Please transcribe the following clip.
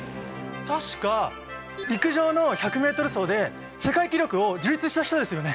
確か陸上の１００ｍ走で世界記録を樹立した人ですよね。